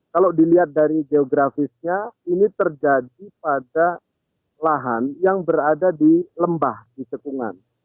kalau dilihat dari geografisnya ini terjadi pada lahan yang berada di lembah di cekungan